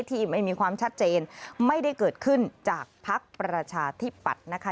ที่ไม่มีความชัดเจนไม่ได้เกิดขึ้นจากภักดิ์ประชาธิปัตย์นะคะ